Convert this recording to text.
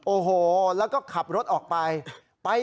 โอ้โหแล้วก็ขับรถออกไป